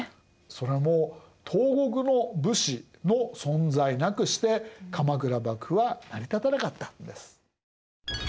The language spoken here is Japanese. それも東国の武士の存在なくして鎌倉幕府は成り立たなかったんです。